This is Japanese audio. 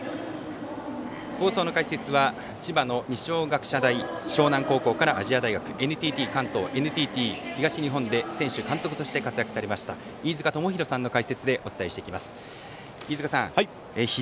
放送の解説は千葉の二松学舎大沼南高校亜細亜大学ＮＴＴ関東ＮＴＴ東日本の監督として活躍されました、飯塚智広さんの解説でお伝えしていきます。